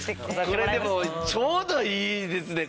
これでもちょうどいいですね！